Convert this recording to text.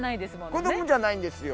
子供じゃないんですよ。